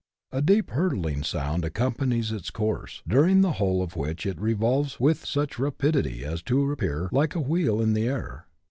A deep hurtling sound accompanies its course, during the whole of which it revolves with such rapidity as to appear like a wheel in the air.